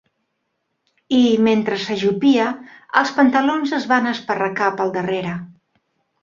I, mentre s'ajupia, els pantalons es van esparracar pel darrera.